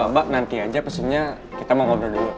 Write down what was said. mbak nanti aja pesannya kita mau ngobrol dulu